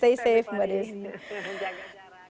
stay safe mbak desia